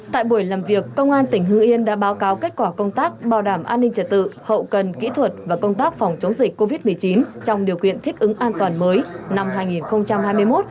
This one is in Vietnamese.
tại buổi làm việc công an tỉnh hưng yên đã báo cáo kết quả công tác bảo đảm an ninh trật tự hậu cần kỹ thuật và công tác phòng chống dịch covid một mươi chín trong điều kiện thích ứng an toàn mới năm hai nghìn hai mươi một